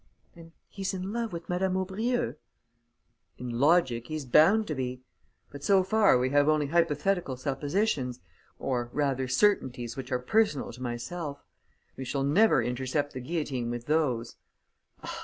"And he's in love with Madame Aubrieux?" "In logic, he's bound to be. But so far we have only hypothetical suppositions, or rather certainties which are personal to myself. We shall never intercept the guillotine with those.